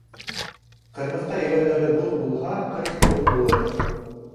Ҡырмыҫҡа иләүҙәре ҙур булһа, ҡыш һыуыҡ булыр.